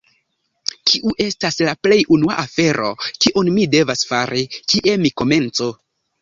Kiu estas la plej unua afero, kiun mi devas fari? Kie mi komencu?